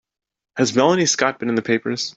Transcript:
Has Melanie Scott been in the papers?